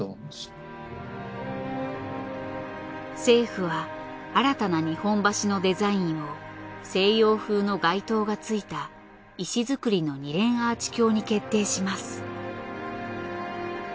政府は新たな日本橋のデザインを西洋風の街灯がついた石造の二連アーチ橋に決定します。